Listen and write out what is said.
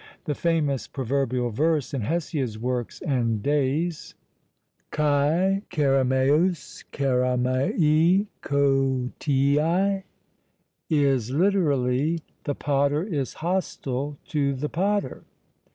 The famous proverbial verse in Hesiod's Works and Days [Greek: Kai kerameus keramei koteei], is literally, "The potter is hostile to the potter!"